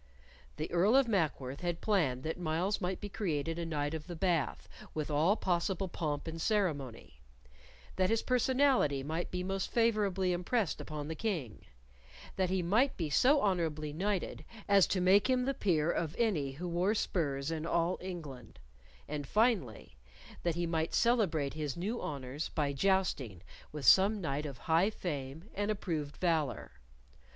The Earl of Mackworth had planned that Myles might be created a Knight of the Bath with all possible pomp and ceremony; that his personality might be most favorably impressed upon the King; that he might be so honorably knighted as to make him the peer of any who wore spurs in all England; and, finally, that he might celebrate his new honors by jousting with some knight of high fame and approved valor.